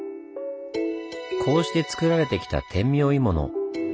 こうしてつくられてきた天明鋳物。